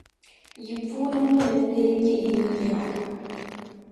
Yi puuni ŋuni n-leei nyɛ yinyaa.